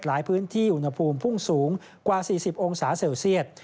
หลายพื้นที่อุณหภูมิพุ่งสูงกว่า๔๐องศาเซลเซียต